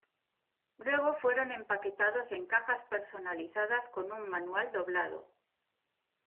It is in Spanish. Luego fueron empaquetados en cajas personalizadas con un manual doblado.